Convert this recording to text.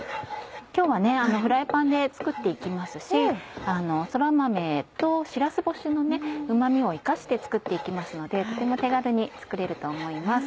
今日はフライパンで作って行きますしそら豆としらす干しのうま味を生かして作って行きますのでとても手軽に作れると思います。